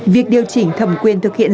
việc điều chỉnh thẩm quyền thực hiện